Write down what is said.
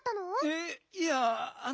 えっいやあの。